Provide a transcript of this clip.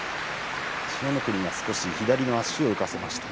千代の国が少し足を浮かせました。